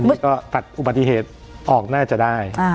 แล้วก็ตัดอุบัติเหตุออกน่าจะได้